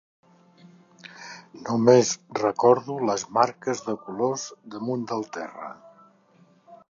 Només recordo les marques de colors damunt del terra.